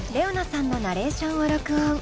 ＲｅｏＮａさんのナレーションを録音。